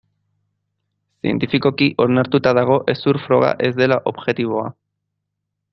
Zientifikoki onartuta dago hezur froga ez dela objektiboa.